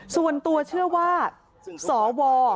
ส่วนตัวเชื่อว่าสว